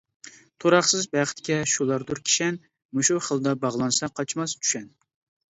تۇراقسىز بەختكە شۇلاردۇر كىشەن، مۇشۇ خىلدا باغلانسا قاچماس، چۈشەن.